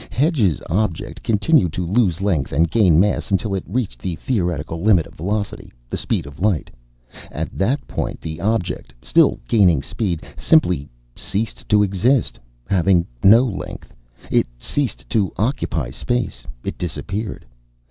Hedge's object continued to lose length and gain mass until it reached the theoretical limit of velocity, the speed of light. At that point the object, still gaining speed, simply ceased to exist. Having no length, it ceased to occupy space. It disappeared.